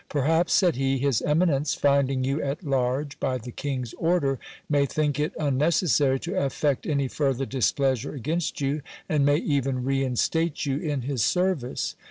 Perhaps, said he, his eminence, finding you at large by the king's order, may think it unnecessary to affect any further displeasure against you, and may even reinstate you in his service.